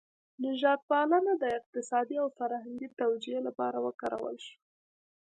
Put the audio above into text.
نژاد پالنه د اقتصادي او فرهنګي توجیه لپاره وکارول شوه.